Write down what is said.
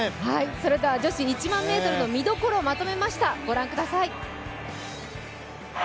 それでは女子１００００ｍの見どころをまとめました。